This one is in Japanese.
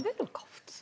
普通。